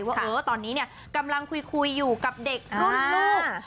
ว่าตอนนี้เนี่ยกำลังคุยอยู่กับเด็กรุ่นลูก